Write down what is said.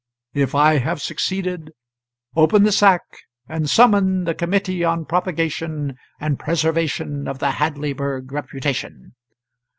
If I have succeeded, open the sack and summon the Committee on Propagation and Preservation of the Hadleyburg Reputation.'"